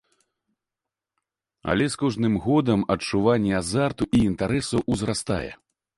Але з кожным годам адчуванне азарту і інтарэсу ўзрастае.